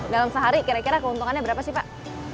dalam sehari kira kira keuntungannya berapa sih pak